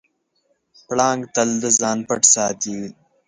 پړانګ تل د ځان پټ ساتي.